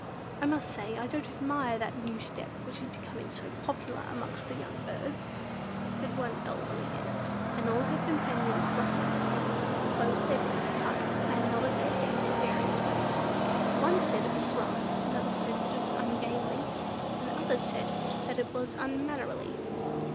"I must say I don't admire that new step which is becoming so popular amongst the young birds," said one elderly hen; and all her companions rustled their feathers, closed their beaks tightly, and nodded their heads in various ways. One said it was "rough," another that it was "ungainly," and others that it was "unmannerly."